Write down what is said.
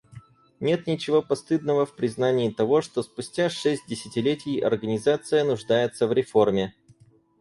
Нет ничего постыдного в признании того, что спустя шесть десятилетий Организация нуждается в реформе.